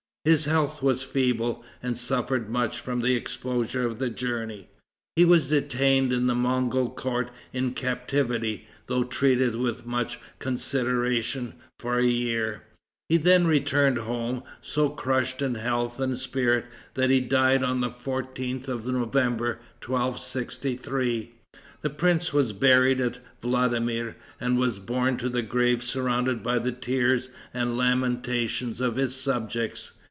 His health was feeble, and suffered much from the exposures of the journey. He was detained in the Mogol court in captivity, though treated with much consideration, for a year. He then returned home, so crushed in health and spirits, that he died on the 14th of November, 1263. The prince was buried at Vladimir, and was borne to the grave surrounded by the tears and lamentations of his subjects.